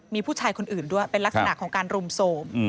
มีผู้ชายคนอื่นด้วยเป็นลักษณะของการรุมโทรม